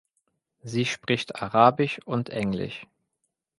Sie spricht Arabisch und Englisch.